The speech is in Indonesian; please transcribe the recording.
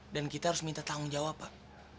dan kita harus minta tanggung jawab pak